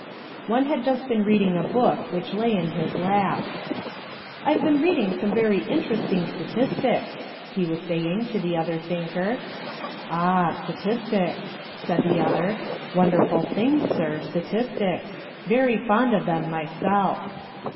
One had just been reading a book which lay in his lap. "I've been reading some very interesting statistics," he was saying to the other thinker. "Ah, statistics" said the other; "wonderful things, sir, statistics; very fond of them myself."